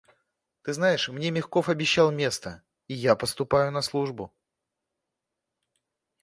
Ты знаешь, мне Мягков обещал место, и я поступаю на службу.